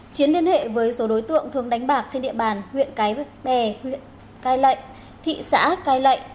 chiến liên hệ với số đối tượng thường đánh bạc trên địa bàn huyện cái bè huyện cai lệ thị xã cai lệ